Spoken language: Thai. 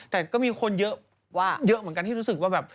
แต่ก็มีคนเยอะเยอะเหมือนกันที่รู้สึกว่าแบบ